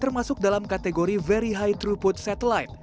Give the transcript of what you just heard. termasuk dalam kategori very high throughput satellite